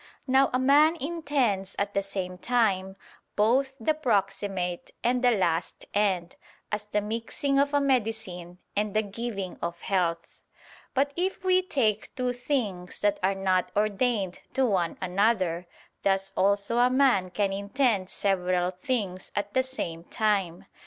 Now a man intends at the same time, both the proximate and the last end; as the mixing of a medicine and the giving of health. But if we take two things that are not ordained to one another, thus also a man can intend several things at the same time.